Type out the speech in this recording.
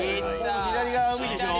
左側海でしょ？